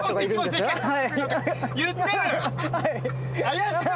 言ってる。